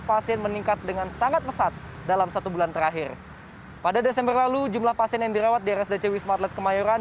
pasien meningkat dengan sangat pesat dalam satu bulan terakhir pada desember lalu jumlah pasien yang dirawat di rsdc wisma atlet kemayoran